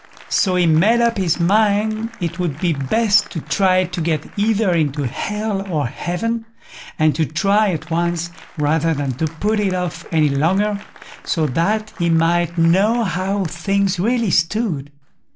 So he made up his mind it would be best to try to get either into Hell or Heaven, and to try at once, rather than to put it off any longer, so that he might know how things really stood.